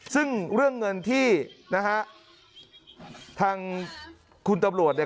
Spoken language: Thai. ซึ่งเรื่องเงินที่นะฮะทางคุณตำรวจเนี่ย